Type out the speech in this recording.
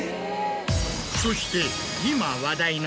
そして今。